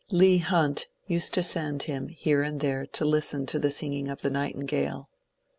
Leigh Hunt used to send him here and there to listen to the singing of the nightingale.